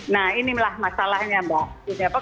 nah inilah masalahnya mbak